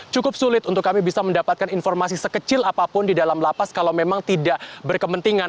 cukup sulit untuk kami bisa mendapatkan informasi sekecil apapun di dalam lapas kalau memang tidak berkepentingan